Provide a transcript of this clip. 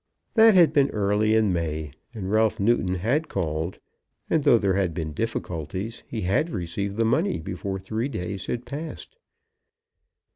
That had been early in May, and Ralph Newton had called, and, though there had been difficulties, he had received the money before three days had passed.